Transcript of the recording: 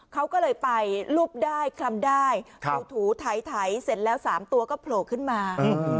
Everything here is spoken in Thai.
เขาก็เลยไปรูปได้คลำได้ถูไถเสร็จแล้ว๓ตัวก็โผล่ขึ้นมา